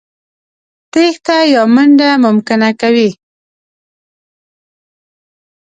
تېښته يا منډه ممکنه کوي.